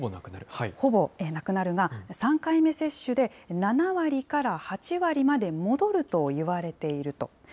ほぼなくなるが、３回目接種で７割から８割まで戻ると言われていると。